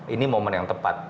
ini momen yang tepat